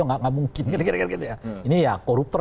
nggak mungkin ini ya koruptor